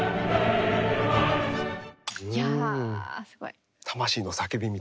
いやすごい。